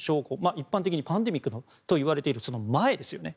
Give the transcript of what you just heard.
一般的にパンデミックといわれている前ですよね。